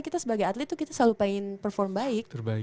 kita sebagai atlet tuh kita selalu pengen perform baik